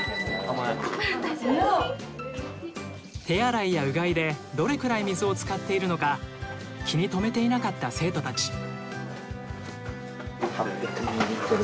手洗いやうがいでどれくらい水を使っているのか気にとめていなかった生徒たち。